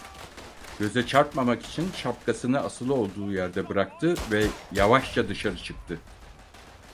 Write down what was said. Göze çarpmamak için şapkasını asılı olduğu yerde bıraktı ve yavaşça dışarı çıktı.